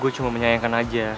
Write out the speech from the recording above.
gue cuma menyayangkan aja